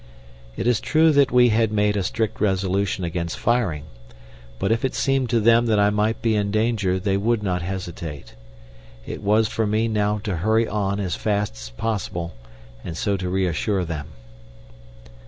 It is true that we had made a strict resolution against firing, but if it seemed to them that I might be in danger they would not hesitate. It was for me now to hurry on as fast as possible, and so to reassure them.